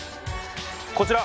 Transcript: こちら。